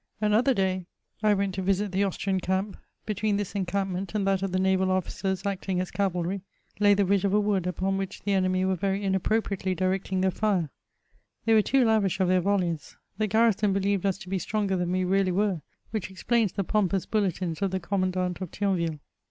Anoth» day, I went to visit the Austrian camp ; between this encampment and that of the naml officers acting as cavahy, lay the ridge of a wood, opon which the enemy were yerj in appropriatdy directing their fire ; they were too lavish of their volleys ; the garrison believed us to be stronger than we really were, which erplains the pompous bulletins of the commandant of Thionville.